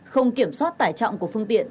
không kiểm soát tải trọng của phương tiện